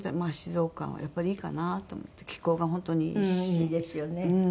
いいですよね。